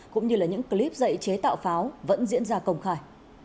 cũng như là những clip dạy chế tạo pháo vẫn diễn ra công khai